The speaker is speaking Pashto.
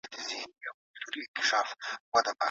نړیوال سازمانونه د بشري ژوند د ښه کولو لپاره کار کوي.